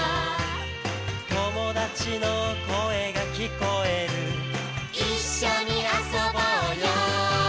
「友達の声が聞こえる」「一緒に遊ぼうよ」